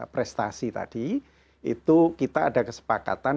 prestasi tadi itu kita ada kesepakatan